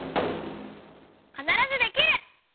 「かならずできる！」。